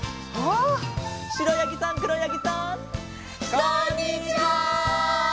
こんにちは！